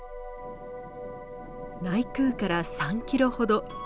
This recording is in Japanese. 内宮から３ｋｍほど。